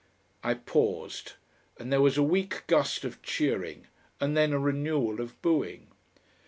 I paused, and there was a weak gust of cheering, and then a renewal of booing.